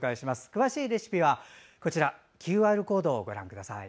詳しいレシピはＱＲコードをご覧ください。